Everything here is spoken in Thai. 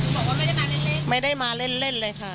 บอกว่าไม่ได้มาเล่นไม่ได้มาเล่นเล่นเลยค่ะ